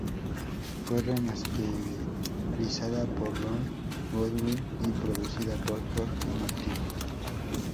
Fue remasterizada por Ron Goodwin y producida por George Martin.